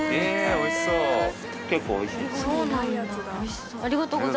おいしそう結構おいしいそうなんだ